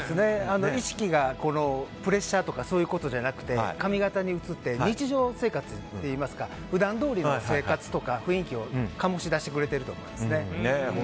意識がプレッシャーとかそういうことじゃなくて髪形に移って日常生活といいますか普段どおりの生活とか雰囲気を醸し出してくれていると思います。